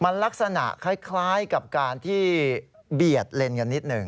มันลักษณะคล้ายกับการที่เบียดเลนกันนิดหนึ่ง